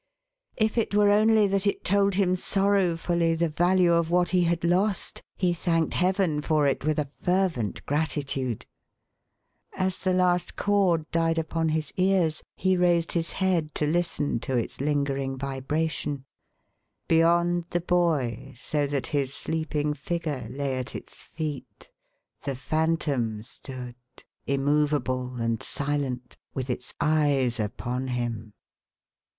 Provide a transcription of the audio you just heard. If it were only that it told him sorrowfullv the value of what he had h»t, he thanked Heaven for it with a fervent gratitude. As the last chord died upon his ears, he raided his head 496 THE HAUNTED MAN. to listen to its lingering vibration. Beyond the boy, so that his sleeping figure lay at its feet, the Phantom stood, im movable and silent, with its eyes upon him.